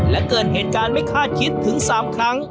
และเกิดเหตุการณ์ไม่คาดคิดถึง๓ครั้ง